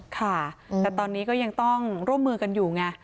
ค่ะแต่ตอนนี้ก็ยังต้องร่วมมือกันอยู่ไง